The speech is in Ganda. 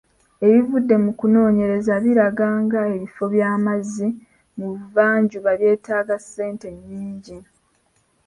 Ebivudde mu kunoonyereza biraga nga ebifo by'amazzi mu buvanjuba byetaaga ssente nnyingi.